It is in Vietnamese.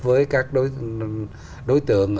với các đối tượng